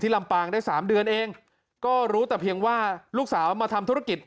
ลำปางได้สามเดือนเองก็รู้แต่เพียงว่าลูกสาวมาทำธุรกิจ